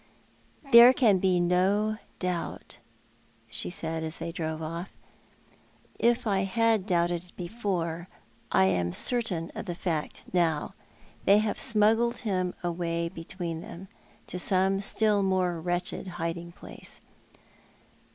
" There can be no doubt," she said, as they drove off. "If I had doubted before, I am certain of the fact now. They have smuggled him away between them, to some still more wretched hiding place.